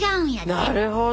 なるほどね。